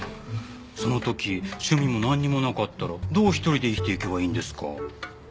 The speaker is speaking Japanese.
その時趣味もなんにもなかったらどう１人で生きていけばいいんですか。